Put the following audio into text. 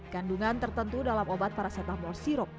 kandungan tertentu dalam obat parasetamol sirup